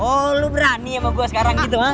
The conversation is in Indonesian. oh lu berani sama gue sekarang gitu